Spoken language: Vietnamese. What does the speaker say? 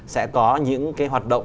sẽ có những hoạt động